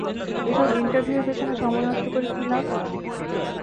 এসব ইন্টারভিউর পেছনে সময় নষ্ট করে কী লাভ?